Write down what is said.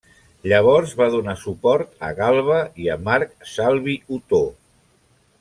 Llavors va donar suport a Galba i a Marc Salvi Otó.